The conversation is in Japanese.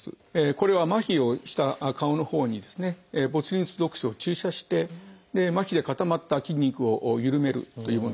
これは麻痺をした顔のほうにボツリヌス毒素を注射して麻痺で固まった筋肉を緩めるというものです。